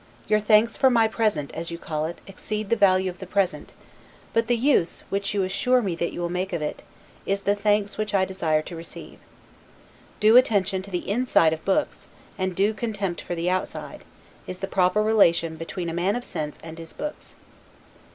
Your thanks for my present, as you call it, exceed the value of the present; but the use, which you assure me that you will make of it, is the thanks which I desire to receive. Due attention to the inside of books, and due contempt for the outside, is the proper relation between a man of sense and his books.